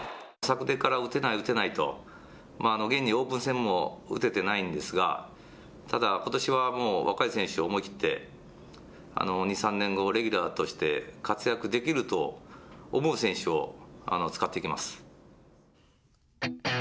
昨年から、打てない打てないと、現にオープン戦も打ててないんですが、ただ、ことしはもう若い選手を思い切って２３年後、レギュラーとして活躍できると思う選手を使っていきます。